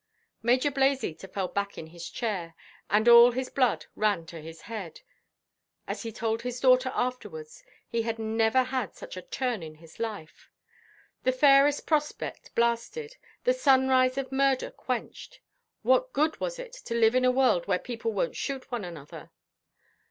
Major Blazeater fell back in his chair; and all his blood ran to his head. As he told his daughter afterwards, he had never had such a turn in his life. The fairest prospect blasted, the sunrise of murder quenched; what good was it to live in a world where people wonʼt shoot one another?